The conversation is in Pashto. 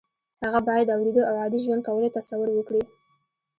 هغه باید د اورېدو او عادي ژوند کولو تصور وکړي